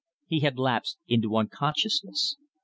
He had lapsed into unconsciousness.